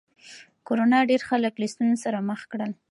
کرونا ډېر خلک له ستونزو سره مخ کړل.